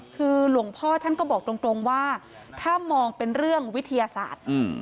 คือหลวงพ่อท่านก็บอกตรงว่าถ้ามองเป็นเรื่องวิทยาศาสตร์